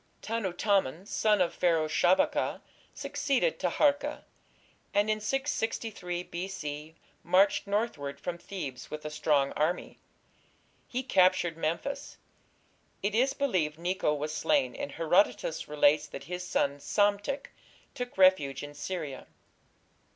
Tanutamon, a son of Pharaoh Shabaka, succeeded Taharka, and in 663 B.C. marched northward from Thebes with a strong army. He captured Memphis. It is believed Necho was slain, and Herodotus relates that his son Psamtik took refuge in Syria.